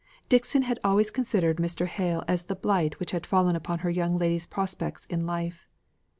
Dixon had always considered Mr. Hale as the blight which had fallen upon her young lady's prospects in life.